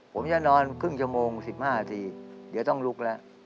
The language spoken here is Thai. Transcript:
ผมจะนอนครึ่งชั่วโมง๑๕นาทีเดี๋ยวต้องลุกแล้ว